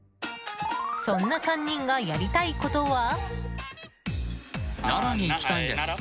そんな３人がやりたいことは？